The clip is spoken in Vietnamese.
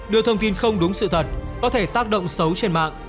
đưa thông tin không đúng sự thật có thể tác động xấu trên mạng